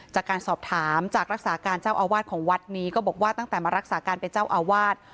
จากการสอบถามจากรักษาการเจ้าอาวาสของวัดนี้ก็บอกว่าตั้งแต่มารักษาการเป็นเจ้าอาวาส